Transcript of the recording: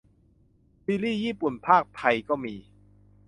ซีรีย์ญี่ปุ่นพากษ์ไทยก็มี